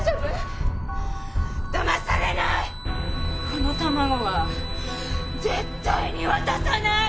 この卵は絶対に渡さない！